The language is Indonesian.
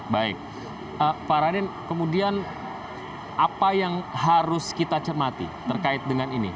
baik pak raden kemudian apa yang harus kita cermati terkait dengan ini